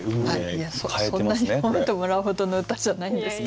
いやそんなに褒めてもらうほどの歌じゃないんですけど。